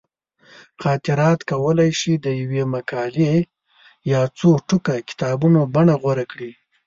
خاطرات کولی شي د یوې مقالې یا څو ټوکه کتابونو بڼه غوره کړي.